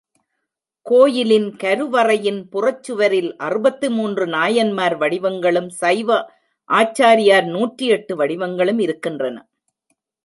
கோயிலின் கருவறையின் புறச்சுவரில் அறுபத்து மூன்று நாயன்மார் வடிவங்களும் சைவ ஆச்சாரியார் நூற்றி எட்டு வடிவங்களும் இருக்கின்றன.